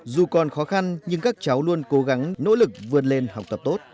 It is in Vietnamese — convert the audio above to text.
dù còn khó khăn nhưng các cháu luôn cố gắng nỗ lực vươn lên học tập tốt